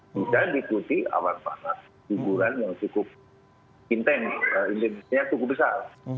bisa diikuti awan panas kuburan yang cukup intens intensnya cukup besar